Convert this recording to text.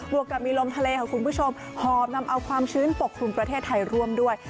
วกกับมีลมทะเลค่ะคุณผู้ชมหอบนำเอาความชื้นปกคลุมประเทศไทยร่วมด้วย